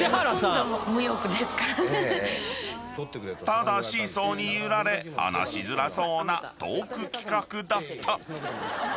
［ただシーソーに揺られ話しづらそうなトーク企画だった］